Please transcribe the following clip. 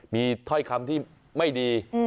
มีถ้อยคำที่ไม่ดี